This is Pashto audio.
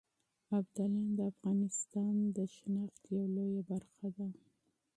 ابداليان د افغانستان د هویت يوه لويه برخه ده.